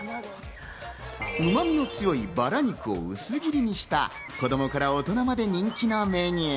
うま味の強いバラ肉を薄切りにした子供から大人まで人気なメニュー。